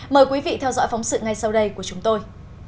mời quý vị theo dõi phóng sự ngay sau đây của chúng tôi